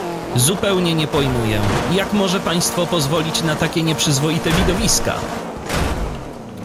"Zupełnie nie pojmuję, jak może państwo pozwolić na takie nieprzyzwoite widowiska?"